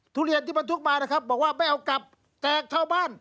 ทุเรียนที่บรรทุกมานะครับบอกว่าไม่เอากลับแตกเข้าบ้าน